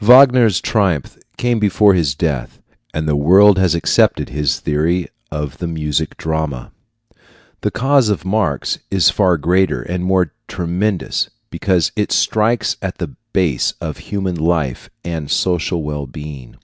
Wagner's triumph came before his death, and the world has accepted his theory of the music drama. The cause of Marx is far greater and more tremendous, because it strikes at the base of human life and social well being.